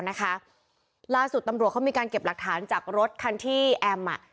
ล่าสุดตำรวจเขามีการเก็บหลักฐานจากรถคันที่แอมอ่ะ